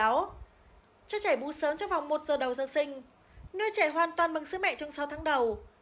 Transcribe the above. do đó cho trẻ bú sớm trong vòng một giờ đầu do sinh nuôi trẻ hoàn toàn bằng sữa mẹ trong sáu tháng đầu